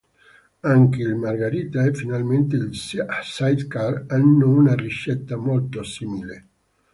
Anche il Margarita e finalmente il Sidecar hanno una ricetta molto simile.